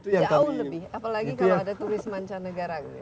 apalagi kalau ada turis mancanegara